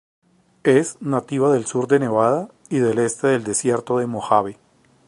Es nativa del sur de Nevada, y el este del Desierto de Mojave.